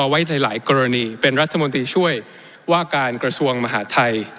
ไว้ในหลายกรณีเป็นรัฐมนตรีช่วยว่าการกระทรวงมหาทัย